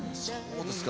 そうですか。